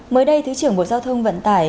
mới đây thứ trưởng bộ giao thông vận tải